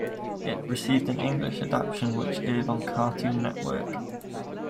It received an English adaptation which aired on Cartoon Network.